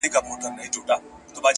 ړوند اوکوڼ سي له نېکیه یې زړه تور سي -